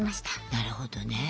なるほどね。